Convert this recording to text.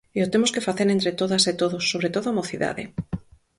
E o temos que facer entre todas e todos, sobre todo a mocidade.